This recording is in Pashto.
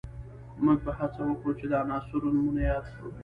موږ به هڅه وکړو چې د عناصرو نومونه یاد کړو